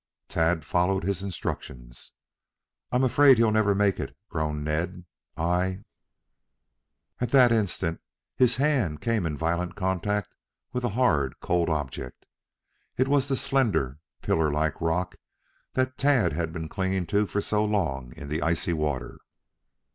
Tad followed his instructions. "I'm afraid he'll never make it," groaned Ned. "I " At that instant his hand came in violent contact with a hard, cold object. It was the slender, pillar like rock that Tad had been clinging to for so long in the icy water.